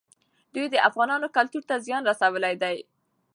دوی د افغانانو کلتور ته زیان رسولی دی.